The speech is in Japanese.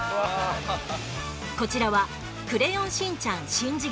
こちらはクレヨンしんちゃんしん次元！